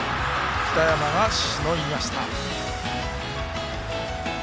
北山がしのぎました。